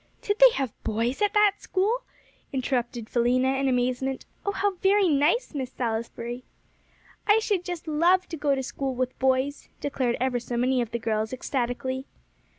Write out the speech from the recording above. "Did they have boys at that school?" interrupted Philena, in amazement. "Oh, how very nice, Miss Salisbury!" "I should just love to go to school with boys," declared ever so many of the girls ecstatically.